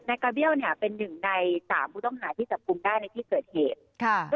นายกาเบี้ยวเป็นหนึ่งใน๓ผู้ต้องหาที่จับคุมได้ในที่เกิดเหตุ